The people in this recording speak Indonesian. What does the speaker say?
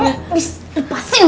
kamu bisa lepasin gak